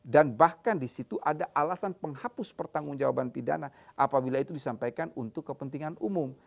dan bahkan di situ ada alasan penghapus pertanggung jawaban pidana apabila itu disampaikan untuk kepentingan umum